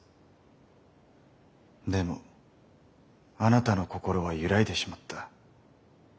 でもあなたの心は揺らいでしまった。